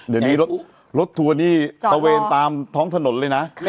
เดี๋ยวนี้รถทัวร์นี่ตะเวนตามท้องถนนเลยนะ